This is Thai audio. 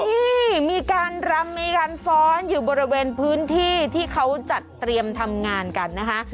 ที่มีการรำมีการฟ้อนอยู่บริเวณพื้นที่ที่เขาจัดเตรียมทำงานกันนะคะ